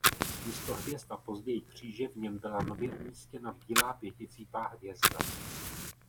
Místo hvězd a později kříže v něm byla nově umístěna bílá pěticípá hvězda.